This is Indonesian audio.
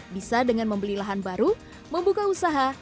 bisa dengan membeli lahan baru membuka usaha